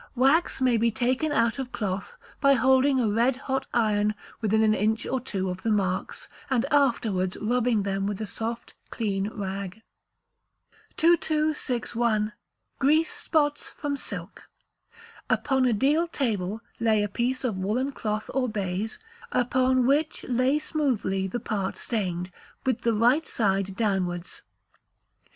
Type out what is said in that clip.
Wax may be taken out of cloth by holding a red hot iron within an inch or two of the marks, and afterwards rubbing them with a soft clean rag. 2261. Grease Spots from Silk. Upon a deal table lay a piece of woollen cloth or baize, upon which lay smoothly the part stained, with the right side downwards.